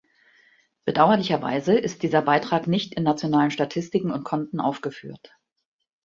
Bedauerlicherweise ist dieser Beitrag nicht in nationalen Statistiken und Konten aufgeführt.